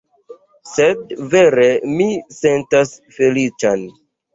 Sed vere mi sentas feliĉan